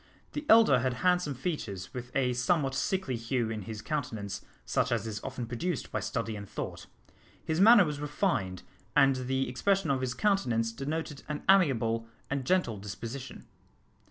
The elder had handsome features, with a somewhat sickly hue in his countenance, such as is often produced by study and thought. His manner was refined, and the expression of his countenance denoted an amiable and gentle disposition.